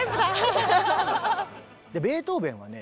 ベートーベンはね